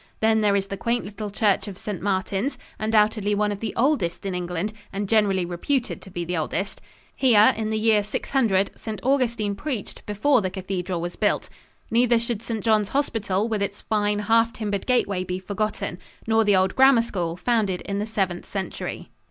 Then there is the quaint little church of St. Martins, undoubtedly one of the oldest in England, and generally reputed to be the oldest. Here, in the year 600, St. Augustine preached before the cathedral was built. Neither should St. John's hospital, with its fine, half timbered gateway be forgotten; nor the old grammar school, founded in the Seventh Century. [Illustration: CATHEDRAL, CANTERBURY.